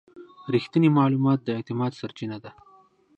رښتینی معلومات د اعتماد سرچینه ده.